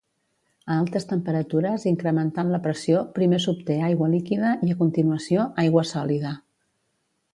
A altes temperatures, incrementant la pressió, primer s'obté aigua líquida i, a continuació, aigua sòlida.